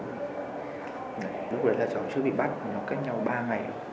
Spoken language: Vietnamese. lúc đấy là cháu chưa bị bắt nó cách nhau ba ngày